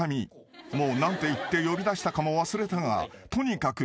［もう何て言って呼び出したかも忘れたがとにかく］